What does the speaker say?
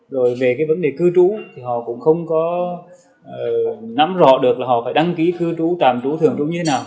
rồi về cái vấn đề cư trú thì họ cũng không có nắm rõ được là họ phải đăng ký cư trú tạm trú thường trú như thế nào